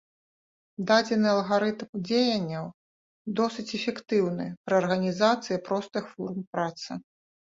Дадзены алгарытм дзеянняў досыць эфектыўны пры арганізацыі простых форм працы.